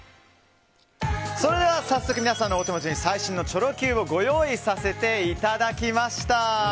早速、皆さんのお手元に最新のチョロＱをご用意させていただきました。